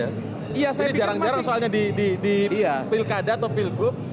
ini jarang jarang soalnya di pilkada atau pilgub